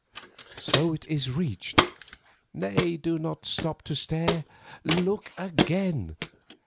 So, it is reached. Nay, do not stop to stare. Look again!